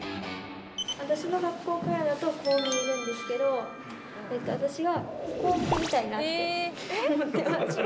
私の学校からだとこう見えるんですけど私が、ここを見たいなって思ってます。